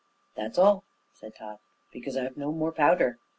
"That's all," said Tod, "because I've no more powder.